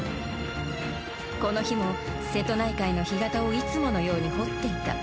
この日も瀬戸内海の干潟をいつものように掘っていた。